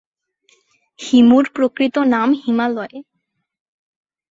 হিমুর প্রকৃত নাম হিমালয়।